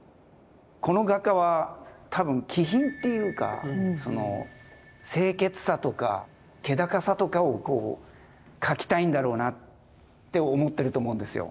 この画家は多分気品っていうか清潔さとか気高さとかを描きたいんだろうなって思ってると思うんですよ。